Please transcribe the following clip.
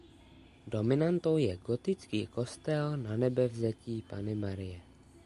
Dominantou je gotický kostel Nanebevzetí Panny Marie.